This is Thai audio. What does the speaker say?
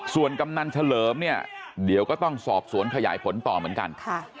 ส่วนกำนันเฉลิมเนี่ยเดี๋ยวก็ต้องสอบสวนขยายผลต่อเหมือนกัน